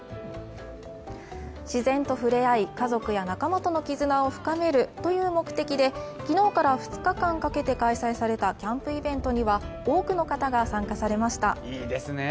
自然とふれあい家族や仲間との絆を深めるという目的で、昨日から２日間かけて開催されたキャンプイベントには多くの方が参加されました。